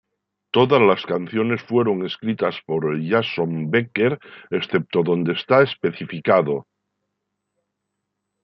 Todas las canciones fueron escritas por Jason Becker, excepto donde está especificado.